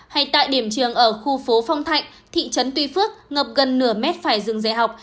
hay tại điểm trường ở khu phố phong thạnh thị trấn tuy phước ngập gần nửa mét phải dừng dạy học